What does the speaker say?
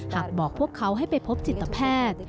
หากบอกพวกเขาให้ไปพบจิตแพทย์